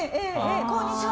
こんにちは！